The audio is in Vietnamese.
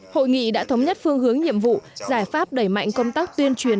hội nghị đã thống nhất phương hướng nhiệm vụ giải pháp đẩy mạnh công tác tuyên truyền